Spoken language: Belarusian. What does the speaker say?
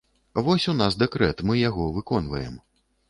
Вось у нас дэкрэт, мы яго выконваем.